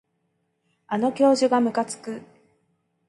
あの教授がむかつく